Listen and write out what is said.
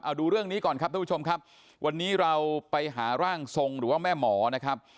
เอาดูเรื่องนี้ก่อนครับท่านผู้ชมครับวันนี้เราไปหาร่างทรงหรือว่าแม่หมอนะครับ